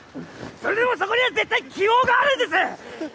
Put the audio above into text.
それでもそこには絶対希望があるんです！